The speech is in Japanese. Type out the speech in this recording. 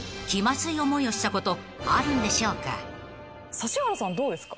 指原さんどうですか？